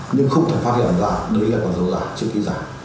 nhưng không thể phát hiện ra đây là con dấu giả chữ ký giả